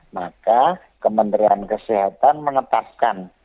nah kementerian kesehatan menetapkan